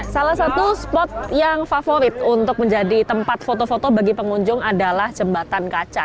salah satu spot yang favorit untuk menjadi tempat foto foto bagi pengunjung adalah jembatan kaca